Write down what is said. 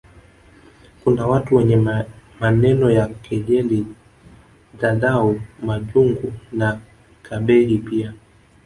Kuna watu wenye maneno ya kejeli dhadhau majungu na kebehi pia